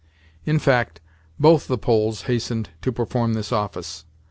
In fact, both the Poles hastened to perform this office.